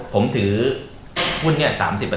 ๓๐ผมถือหุ้นเนี่ย๓๐